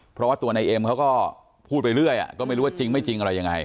เพราะว่าตัวในเอมก็พูดไปเรื่อยก็ไม่รู้จริงไม่จริงอะไรอย่างไร